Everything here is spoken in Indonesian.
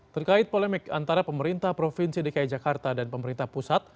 terkait polemik antara pemerintah provinsi dki jakarta dan pemerintah pusat